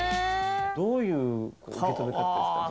「どういう受け止め方ですか？